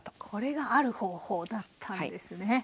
これが「ある方法」だったんですね。